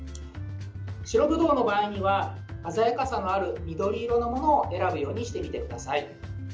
白ぶどうの場合には鮮やかさのある緑色のものを選ぶようにしてみてください。